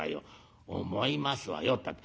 「思いますわよったって